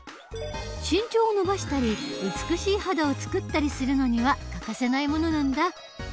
身長を伸ばしたり美しい肌をつくったりするのには欠かせないものなんだ。